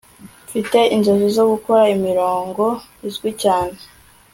mfite inzozi zo gukora imirongo izwi cyane